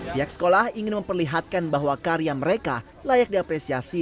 pihak sekolah ingin memperlihatkan bahwa karya mereka layak diapresiasi